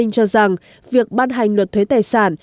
cho rằng việc ban hành luật thuế tài sản